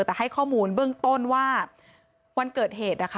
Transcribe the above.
แต่ให้ข้อมูลเบื้องต้นว่าวันเกิดเหตุนะคะ